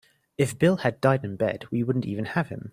If Bill had died in bed we wouldn't even have him.